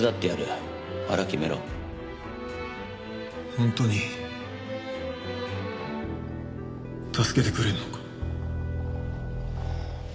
本当に助けてくれるのか？